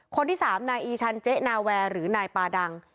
คนที่๓นายอีชันเจ๊นาแวร์หรือนายปาดัง